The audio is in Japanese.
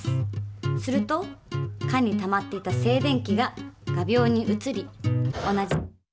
すると缶にたまっていた静電気が画びょうに移り同じ。